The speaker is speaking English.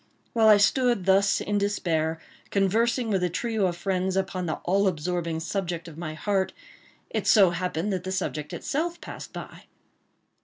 While I stood thus in despair, conversing with a trio of friends upon the all absorbing subject of my heart, it so happened that the subject itself passed by.